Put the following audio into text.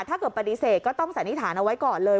ถ้าเกิดปฏิเสธก็ต้องสันนิษฐานเอาไว้ก่อนเลย